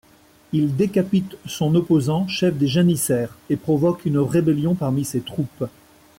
Il décapite son opposant, chef des janissaires, et provoque une rébellion parmi ses troupes.